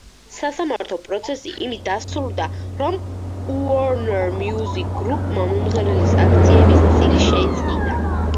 სასამართლო პროცესი იმით დასრულდა, რომ „უორნერ მიუზიკ გრუპმა“ მომღერლის აქციების წილი შეისყიდა.